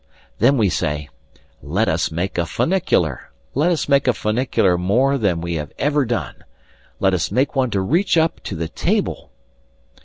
Then we say: "Let us make a funicular. Let us make a funicular more than we have ever done. Let us make one to reach up to the table."